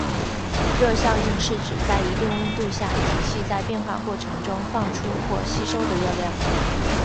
热效应是指在一定温度下，体系在变化过程中放出或吸收的热量。